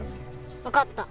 わかった。